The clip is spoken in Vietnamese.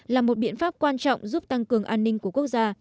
là một biện pháp quan trọng giúp tăng cường an ninh của quốc gia